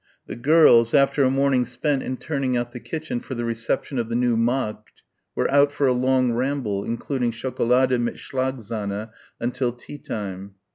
The girls, after a morning spent in turning out the kitchen for the reception of the new magd were out for a long ramble, including Schocolade mit Schlagsahne until tea time.